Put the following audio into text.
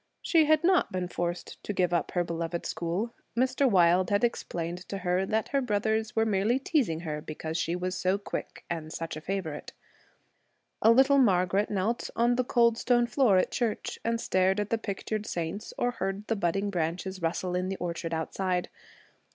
She had not been forced to give up her beloved school. Mr. Wilde had explained to her that her brothers were merely teasing her because she was so quick and such a favorite. A little Margaret knelt on the cold stone floor at church and stared at the pictured saints or heard the budding branches rustle in the orchard outside.